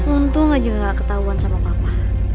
untung aja gak ketahuan sama papa